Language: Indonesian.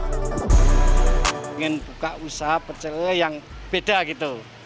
pengen buka usaha pecele yang beda gitu